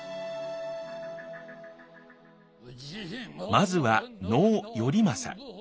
まずは能「頼政」。